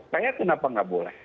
saya kenapa tidak boleh